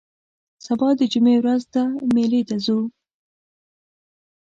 سبا د جمعې ورځ ده مېلې ته ځو